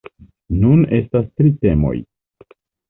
Nun estas tri temoj.